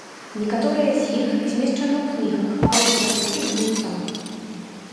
Некаторыя з іх змешчаны ў кнігах, аўтарам якіх быў сам.